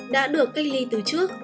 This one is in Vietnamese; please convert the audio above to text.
đã được cây ly từ trước